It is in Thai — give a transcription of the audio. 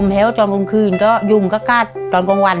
แฮวจอมกลงคืนก็ยุ่งกากกลงวัน